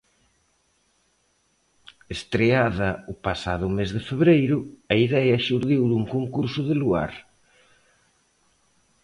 Estreada o pasado mes de febreiro, a idea xurdiu dun concurso de Luar.